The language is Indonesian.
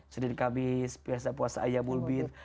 sudirin kamis piasa puasa ayam ulbin